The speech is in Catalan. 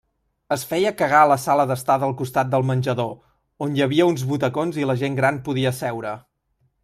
Es feia cagar a la sala d'estar del costat del menjador, on hi havia uns butacons i la gent gran podia seure.